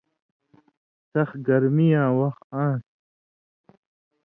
سَخ گرمیاں وخ آن٘س۔